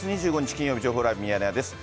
金曜日、情報ライブミヤネ屋です。